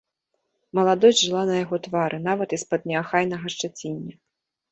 Маладосць жыла на яго твары, нават і з-пад неахайнага шчаціння.